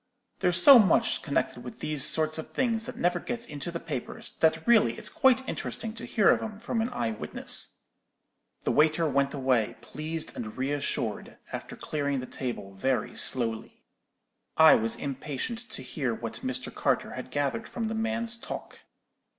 There's so much connected with these sort of things that never gets into the papers, that really it's quite interesting to hear of 'em from an eye witness.' "The waiter went away, pleased and re assured, after clearing the table very slowly. I was impatient to hear what Mr. Carter had gathered from the man's talk.